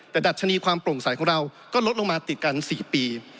แต่ดัชนีความโปร่งใสของเราก็ลดลงมาติดกัน๔ปี